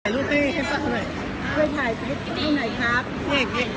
ลูกพี่ให้เจอหน่อย